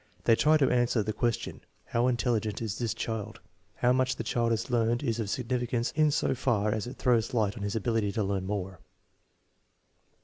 They try to answer the ques tion, fct How intelligent, is this child? " I low much the child has learned is of significance only in so far as it throws light on his ability to learn more.